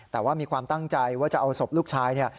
แต่ว่ามีความตั้งใจว่าจะเอาศพลูกชายเนี่ย